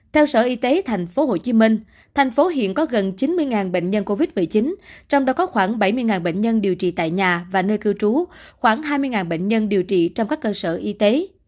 theo sở y tế tp hcm thành phố hiện có gần chín mươi bệnh nhân covid một mươi chín trong đó có khoảng bảy mươi bệnh nhân điều trị tại nhà và nơi cư trú khoảng hai mươi bệnh nhân điều trị trong các cơ sở y tế